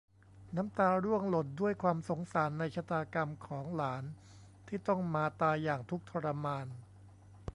น้ำตาร่วงหล่นด้วยความสงสารในชะตากรรมของหลานที่ต้องมาตายอย่างทุกข์ทรมาน